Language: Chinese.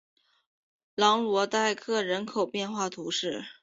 朗罗代克人口变化图示